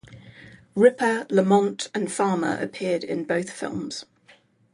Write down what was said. Ripper, Lamont and Farmer appeared in both films.